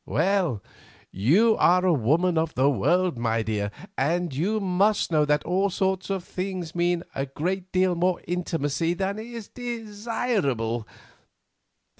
Well, you are a woman of the world, my dear, and you must know that all this sort of thing means a great deal more intimacy than is desirable.